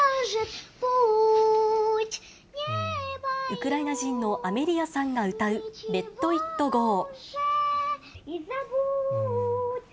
ウクライナ人のアメリアさんが歌うＬｅｔＩｔＧｏ。